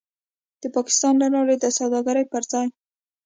د پاکستان له لارې د سوداګرۍ پر ځای